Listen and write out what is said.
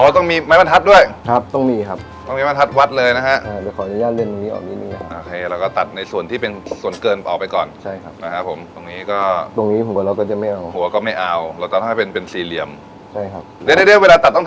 ทำไมต้องทำในลักษณะนี้ทำไมไม่ทำให้มันใหญ่มาก